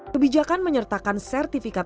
kebijakan menyertakan sertifikat